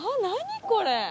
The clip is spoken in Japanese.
何これ！